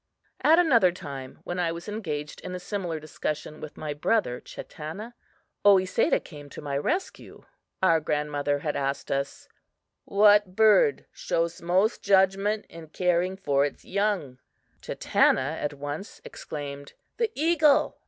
At another time, when I was engaged in a similar discussion with my brother Chatanna, Oesedah came to my rescue. Our grandmother had asked us: "What bird shows most judgment in caring for its young?" Chatanna at once exclaimed: "The eagle!"